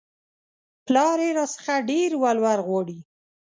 پلار يې راڅخه ډېر ولور غواړي